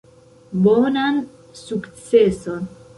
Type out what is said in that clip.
Bonan sukceson!